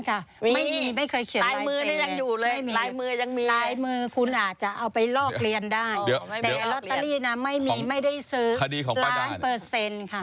ไม่มีไม่เคยเขียนรายเตรียมไม่มีรายมือคุณอาจจะเอาไปลอกเรียนได้แต่ลอตเตอรี่ไม่มีไม่ได้ซื้อล้านเปอร์เซ็นต์ค่ะ